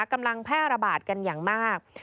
กำลังแพร่ระบาดกันอย่างมาก